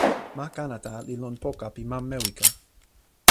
ma Kanata li lon poka pi ma Mewika.